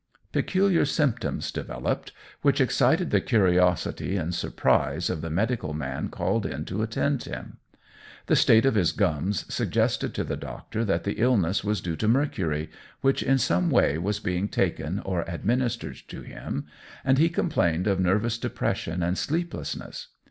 Peculiar symptoms developed, which excited the curiosity and surprise of the medical man called in to attend him. The state of his gums suggested to the doctor that the illness was due to mercury, which in some way was being taken or administered to him, and he complained of nervous depression and sleeplessness.